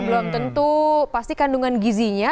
belum tentu pasti kandungan gizinya